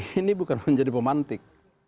ini bukan menjadi pemantik